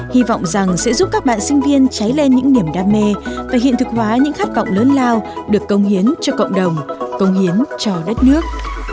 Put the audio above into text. hy vọng rằng sẽ giúp các bạn sinh viên cháy lên những niềm đam mê và hiện thực hóa những khát vọng lớn lao được công hiến cho cộng đồng công hiến cho đất nước